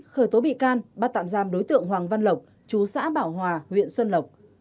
khởi tố bị can bắt tạm giam đối tượng hoàng văn lộc chú xã bảo hòa huyện xuân lộc